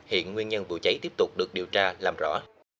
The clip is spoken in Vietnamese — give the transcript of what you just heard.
hiện nguyên nhân vụ cháy tiếp tục được điều tra làm rõ